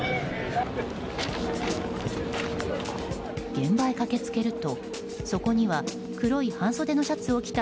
現場へ駆けつけるとそこには黒い半袖のシャツを着た